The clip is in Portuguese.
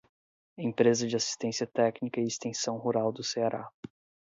Empresa de Assistência Técnica e Extensão Rural do Ceará